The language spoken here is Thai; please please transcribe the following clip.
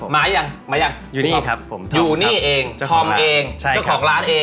ไม่พลาดเหรอ